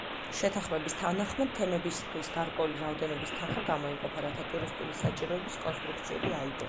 შეთანხმების თანახმად, თემებისთვის გარკვეული რაოდენობის თანხა გამოიყოფა, რათა ტურისტული საჭიროების კონსტრუქციები აიგოს.